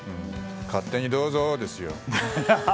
勝手にどうぞですよ。